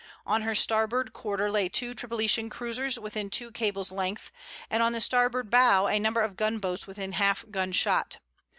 On her starboard quarter lay two Tripolitan cruisers within two cables length; and on the starboard bow a number of gun boats within half gun shot.